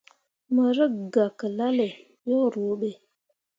Mo rǝkʼgah ke lalle yo ruuɓe.